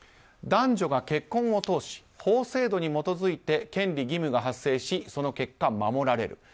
男女が結婚を通し、法制度に基づいて権利義務が発生しその結果、守られる。